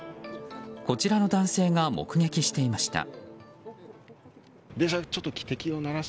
こちらの男性が目撃していました。